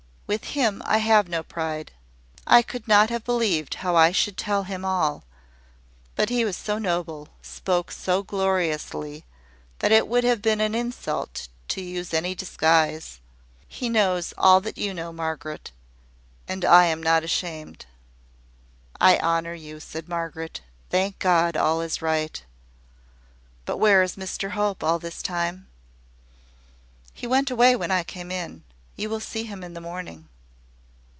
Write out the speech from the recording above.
With him I have no pride. I could not have believed how I should tell him all: but he was so noble, spoke so gloriously, that it would have been an insult to use any disguise. He knows all that you know, Margaret, and I am not ashamed." "I honour you," said Margaret. "Thank God, all is right! But where is Mr Hope all this time?" "He went away when I came in. You will see him in the morning."